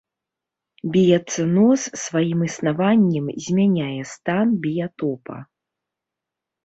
Біяцэноз сваім існаваннем змяняе стан біятопа.